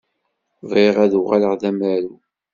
Bɣiɣ ad uɣaleɣ d amaru.